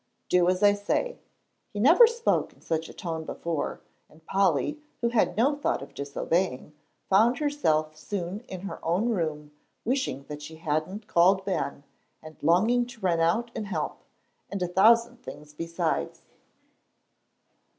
"Do as I say." He never spoke in such a tone before, and Polly, who had no thought of disobeying, found herself soon in her own room, wishing that she hadn't called Ben, and longing to run out and help, and a thousand things besides.